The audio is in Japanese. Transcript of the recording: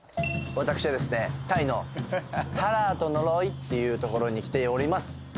私はですねタイのタラートノーイという所に来ております